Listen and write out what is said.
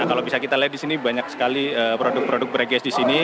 kalau bisa kita lihat disini banyak sekali produk produk break at disini